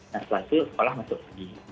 nah setelah itu sekolah masuk pergi